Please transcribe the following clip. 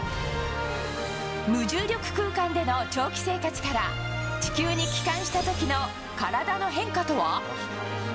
無重力空間での長期生活から、地球に帰還したときの体の変化とは。